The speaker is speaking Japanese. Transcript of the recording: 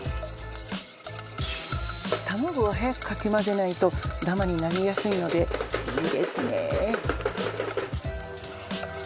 卵は速くかき混ぜないとダマになりやすいのでいいですね。